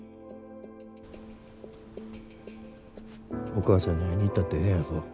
お母ちゃんに会いに行ったってええんやぞ。